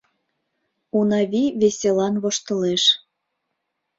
Унави веселан воштылеш.